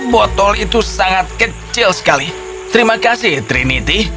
botol itu sangat kecil sekali terima kasih trinity